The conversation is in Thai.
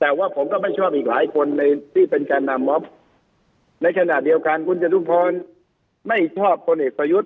แต่ว่าผมก็ไม่ชอบอีกหลายคนในที่เป็นแก่นำมอบในขณะเดียวกันคุณจตุพรไม่ชอบคนเอกประยุทธ์